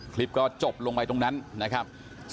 คลิปก็จบลงไปตรงนั้นนะครับ